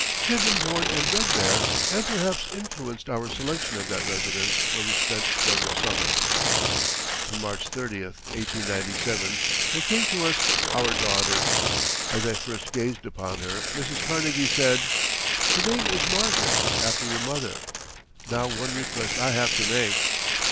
He had been born and bred there and perhaps influenced our selection of that residence where we spent several summers. On March 30, 1897, there came to us our daughter. As I first gazed upon her Mrs. Carnegie said, "Her name is Margaret after your mother. Now one request I have to make."